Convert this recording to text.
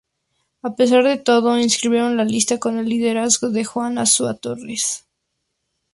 A pesar de todo, inscribieron la lista con el liderazgo de Juan Azúa Torres.